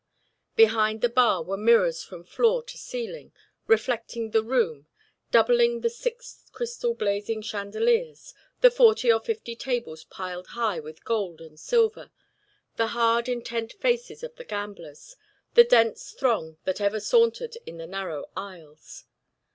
Behind the bar were mirrors from floor to ceiling, reflecting the room, doubling the six crystal blazing chandeliers, the forty or fifty tables piled high with gold and silver, the hard intent faces of the gamblers, the dense throng that ever sauntered in the narrow aisles.